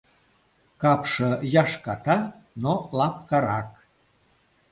Капше яшката, но лапкарак.